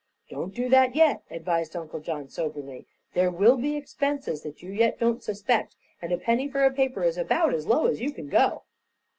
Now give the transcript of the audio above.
"Don't do that yet," advised Uncle John, soberly. "There will be expenses that as yet you don't suspect, and a penny for a paper is about as low as you can go."